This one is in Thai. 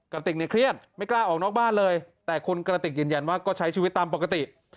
กระติกเนี่ยเครียดไม่กล้าออกนอกบ้านเลยแต่คุณกระติกยืนยันว่าก็ใช้ชีวิตตามปกติ